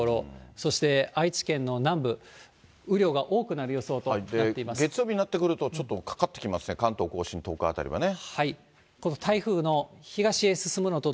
そして愛知県の南部、雨量が多く月曜日になってくると、ちょっとかかってきますね、関東甲信、東海辺りはね。